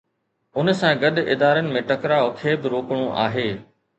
ان سان گڏ ادارن ۾ ٽڪراءُ کي به روڪڻو آهي.